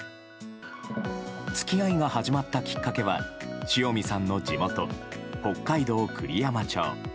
付き合いが始まったきっかけは塩見さんの地元・北海道栗山町。